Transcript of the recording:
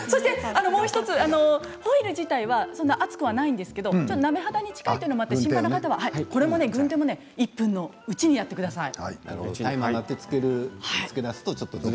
もう１つホイル自体はそんなに熱くないんですけれど鍋肌に近いということもあって心配の方はこの軍手も１分のうちにやってください。